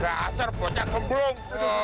gak asar bocah kembung